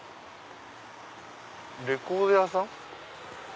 レコード屋さん？